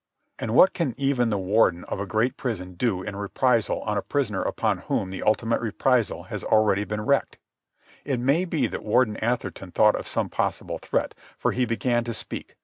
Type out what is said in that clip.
And what can even the Warden of a great prison do in reprisal on a prisoner upon whom the ultimate reprisal has already been wreaked? It may be that Warden Atherton thought of some possible threat, for he began to speak.